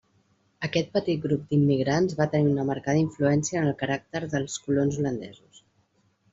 Aquest petit grup d'immigrants va tenir una marcada influència en el caràcter dels colons holandesos.